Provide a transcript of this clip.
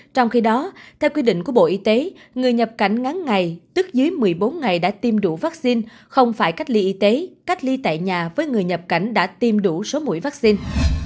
trong khi đó theo quy định của bộ y tế người nhập cảnh ngắn ngày tức dưới một mươi bốn ngày đã tiêm đủ vaccine không phải cách ly y tế cách ly tại nhà với người nhập cảnh đã tiêm đủ số mũi vaccine